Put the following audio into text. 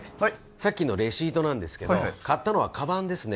さっきのレシートなんですけど買ったのはカバンですね